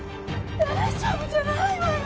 大丈夫じゃないわよ。